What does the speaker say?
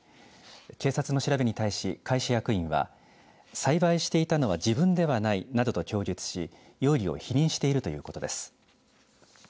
警察の調べに対し会社役員は栽培していたのは自分ではないなどと供述し容疑を否認しているということです。